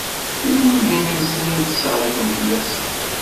D lwaldin-nsen i yettṣerrifen fell-asen.